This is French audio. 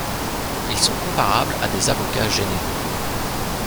Ils sont comparables à des avocats généraux.